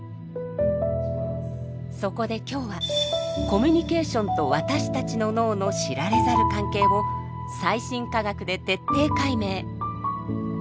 そこで今日はコミュニケーションと私たちの脳の知られざる関係を最新科学で徹底解明。